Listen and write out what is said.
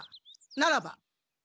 ならば？